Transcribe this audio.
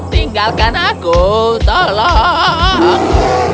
tinggalkan aku tolong